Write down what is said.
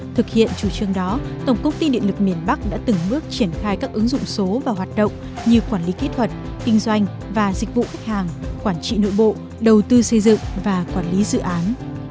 thực hiện chủ trương đó tổng công ty điện lực miền bắc đã từng bước triển khai các ứng dụng số và hoạt động như quản lý kỹ thuật kinh doanh và dịch vụ khách hàng quản trị nội bộ đầu tư xây dựng và quản lý dự án